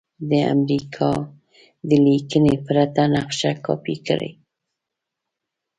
د امریکا د لیکنې پرته نقشه کاپې کړئ.